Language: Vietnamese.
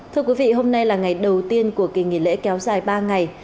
thưa quý vị hôm nay là ngày đầu tiên của kỳ nghỉ lễ kéo dài ba ngày